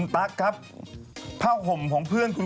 ประโยคแล้วคุณตั๊กครับ